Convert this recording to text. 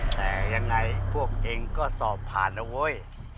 แต่ยังไงพวกเองก็สอบผ่านนะเว้ย